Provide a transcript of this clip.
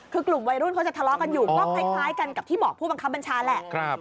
คือกลุ่มวัยรุ่นเขาจะทะเลาะกันอยู่ก็คล้ายกันกับที่บอกผู้บังคับบัญชาแหละ